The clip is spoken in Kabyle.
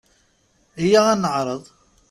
Aya ad neɛreḍ!